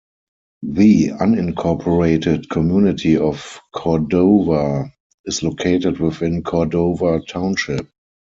The unincorporated community of Cordova is located within Cordova Township.